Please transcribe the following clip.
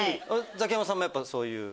ザキヤマさんもそういう。